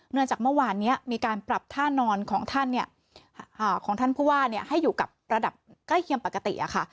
เนื่องจากเมื่อวานเนี่ยมีการปรับท่านอนของท่านเนี่ยของท่านผู้ว่าเนี่ยให้อยู่กับระดับใกล้เคียงปกติอะค่ะ